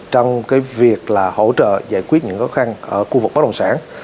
trong cái việc là hỗ trợ giải quyết những khó khăn ở khu vực bất đồng sản